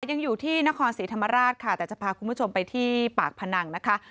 ยังอยู่ที่นครศรีธรรมราชค่ะแต่จะพาคุณผู้ชมไปที่ปากพนังนะคะ